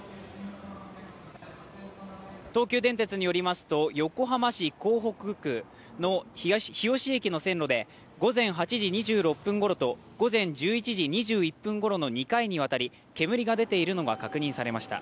東急電鉄によりますと横浜市港北区の日吉駅の線路で午前８時２６分ごろと午前１１時２１分ごろの２回にわたり煙が出ているのが確認されました。